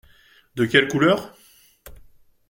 De quelle couleur ?